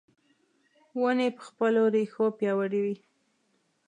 ونې په خپلو رېښو پیاوړې وي .